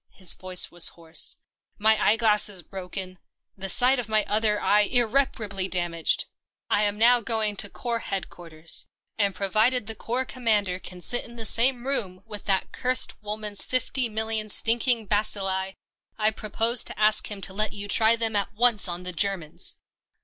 His voice was hoarse. " My eye glass is broken, the sight of my other eye irreparably dam aged. I am now going to Corps Headquarters, and provided the Corps Commander can sit in the same room with that cursed woman's fifty million stinking bacilli, I propose to ask him to let you try them at once on the Germans."